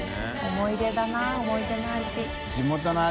思い出だな思い出の味。